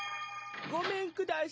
ごめんください。